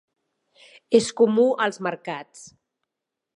És comú als mercats.